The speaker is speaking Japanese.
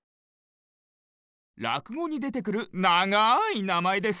らくごにでてくるながいなまえです。